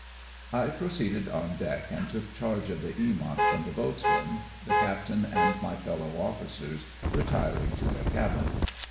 I proceeded on deck and took charge of the JEamont from the boatswain, the captain and my fellow officers retiring to their cabin.